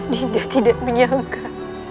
dinda tidak menyangka